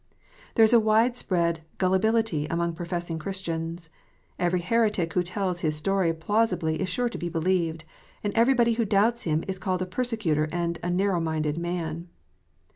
There is a wide spread "gullibility" among professing Christians: every heretic who tells his story plausibly is sure to be believed, and everybody who doubts him is called a persecutor arid a narrow minded man.